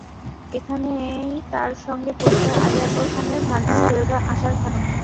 এখানেই তাঁর সঙ্গে পরিচয় আলী আকবর খানের ভাগনি সৈয়দা আসার খানমের।